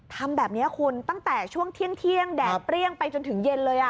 ทำแบบนี้คุณตั้งแต่ช่วงเที่ยงแดดเปรี้ยงไปจนถึงเย็นเลย